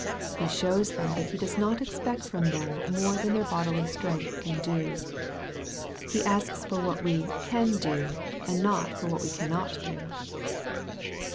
He shows them that He does not expect from them more than their bodily strength can do. He asks for what we can do, and not for what we cannot do.